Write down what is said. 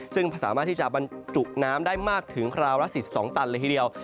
ซึ่งสามารถที่จะบรรจุน้ำได้มากถึงคราวละ๔๒ตันเลยทีเดียว